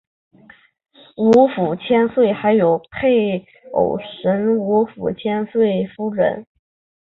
吴府千岁还有配偶神吴府千岁夫人。